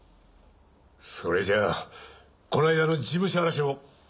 それじゃあこの間の事務所荒らしも。